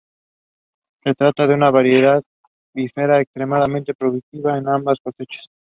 Se trata de una variedad bífera extremadamente productiva en ambas cosechas.